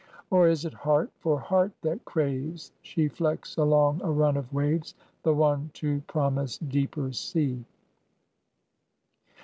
Or is it heart for heart that craves, She flecks along a run of waves The one to promise deeper sea.